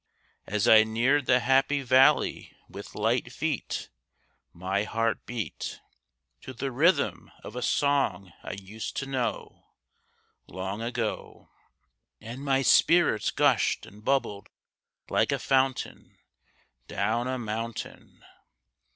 As I neared the happy valley with light feet, My heart beat To the rhythm of a song I used to know Long ago, And my spirits gushed and bubbled like a fountain Down a mountain.